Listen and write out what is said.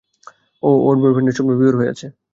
ও ওর বয়ফ্রেন্ডের স্বপ্নে বিভোর হয়ে আছে।